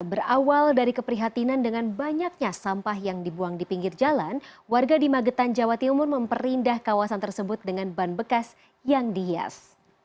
berawal dari keprihatinan dengan banyaknya sampah yang dibuang di pinggir jalan warga di magetan jawa timur memperindah kawasan tersebut dengan ban bekas yang dihias